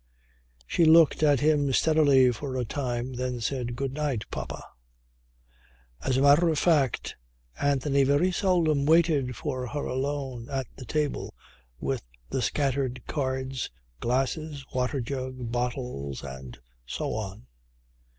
She looked at him steadily for a time then said "Good night, papa." As a matter of fact Anthony very seldom waited for her alone at the table with the scattered cards, glasses, water jug, bottles and soon.